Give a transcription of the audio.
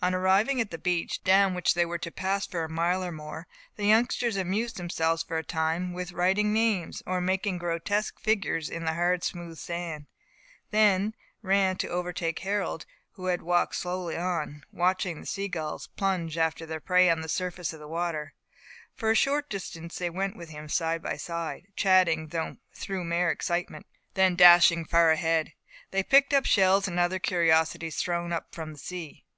On arriving at the beach, down which they were to pass for a mile or more, the youngsters amused themselves for a time with writing names, or making grotesque figures in the hard smooth sand; then ran to overtake Harold, who had walked slowly on, watching the sea gulls plunge after their prey on the surface of the water; for a short distance they went with him side by side, chatting through mere excitement; then dashing far ahead, they picked up shells and other curiosities thrown up from the sea.